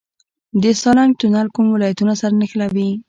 د سالنګ تونل کوم ولایتونه سره نښلوي؟